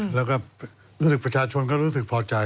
แล้วก็รู้สึกประชาชนก็รู้สึกพอใจ